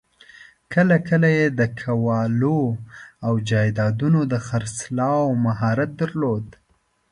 کله کله یې د قوالو او جایدادونو د خرڅلاوو مهارت درلود.